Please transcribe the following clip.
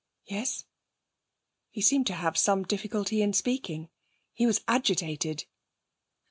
'Yes.' He seemed to have some difficulty in speaking. He was agitated.